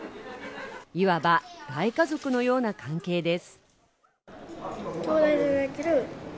いわば大家族のような関係です。